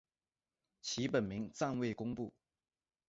其本名暂未公布。